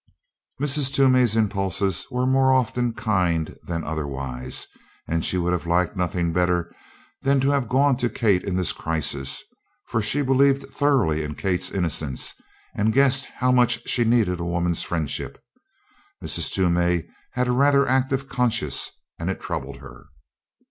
Mrs. Toomey's impulses were more often kind than otherwise, and she would have liked nothing better than to have gone to Kate in this crisis, for she believed thoroughly in Kate's innocence and guessed how much she needed a woman's friendship. Mrs. Toomey had a rather active conscience and it troubled her.